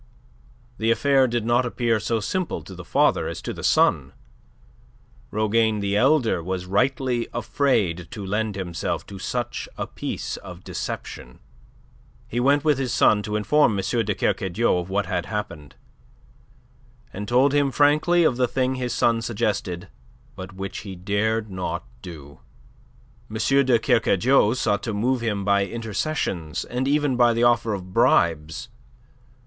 The affair did not appear so simple to the father as to the son. Rougane the elder was rightly afraid to lend himself to such a piece of deception. He went with his son to inform M. de Kercadiou of what had happened, and told him frankly of the thing his son suggested, but which he dared not do. M. de Kercadiou sought to move him by intercessions and even by the offer of bribes.